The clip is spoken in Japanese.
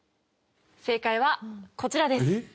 正解はこちらです。